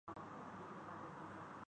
پاکستانی جوڑے جنھیں اپنی محبت لائن ملی